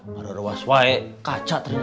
maror waswa eh kaca ternyata